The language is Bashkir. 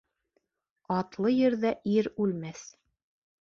Атлы ерҙә ир үлмәҫ.